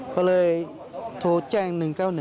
เพราะเลยโทรแจ้ง๑๙๑